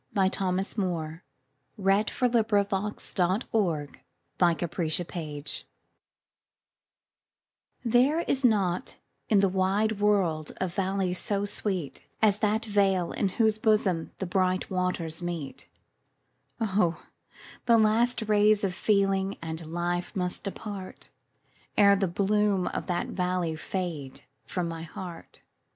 1909–14. Thomas Moore 486. The Meeting of the Waters THERE is not in the wide world a valley so sweet As that vale in whose bosom the bright waters meet; Oh! the last rays of feeling and life must depart, Ere the bloom of that valley shall fade from my heart.